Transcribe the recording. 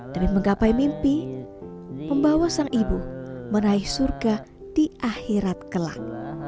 demi menggapai mimpi pembawa sang ibu menaik surga di akhirat kelah